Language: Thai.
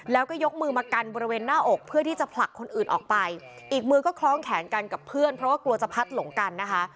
แล้วก็ยกมือมากันบริเวณหน้าอกเพื่อที่จะผลักคนอื่นออกไปอีกมือก็คล้องแขนกันกับเพื่อนเพราะว่ากลัวจะพัดหลงกันนะคะ